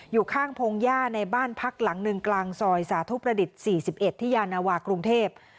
อยู่ข้างพงยาในบ้านพักหลังนึงกลางซอยสาธุประดิษฐ์สี่สิบเอ็ดที่ยานวากรุงเทพ